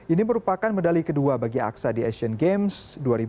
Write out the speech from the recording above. ini merupakan medali kedua bagi aksa di asian games dua ribu delapan belas